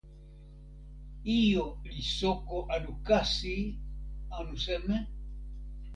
ijo li soko anu kasi anu seme?